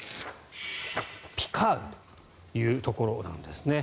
ピカールというところなんですね。